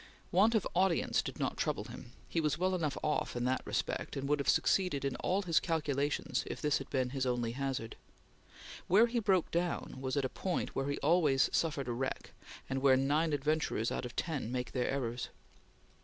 Want of audience did not trouble him; he was well enough off in that respect, and would have succeeded in all his calculations if this had been his only hazard. Where he broke down was at a point where he always suffered wreck and where nine adventurers out of ten make their errors.